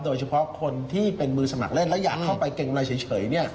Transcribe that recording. โดยเฉพาะคนที่เป็นมือสมัครเล่นและอยากเข้าไปเกรงกำไรเฉย